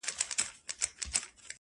o زمــا دزړه د ائينې په خاموشـۍ كي،